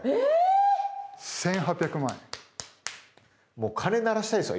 もう鐘鳴らしたいですよ